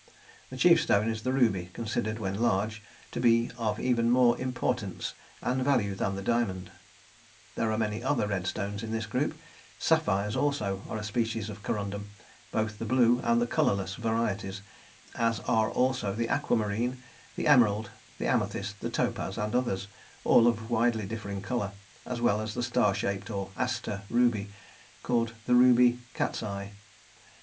The chief stone is the ruby, considered, when large, to be of even more importance and value than the diamond. There are many other red stones in this group; sapphires, also, are a species of corundum, both the blue and the colourless varieties, as are also the aquamarine, the emerald, the amethyst, the topaz, and others, all of widely differing colour, as well as the star shaped, or "aster" ruby, called the "ruby" cat's eye.